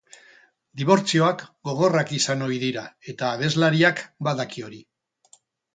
Dibortzioak gogorrak izan ohi dira eta abeslariak badaki hori.